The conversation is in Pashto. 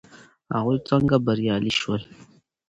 هغوی څنګه بریالي شول.